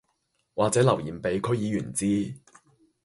或者留言話俾區議員知